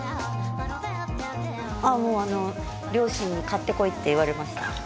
もうあの両親に買ってこいって言われました。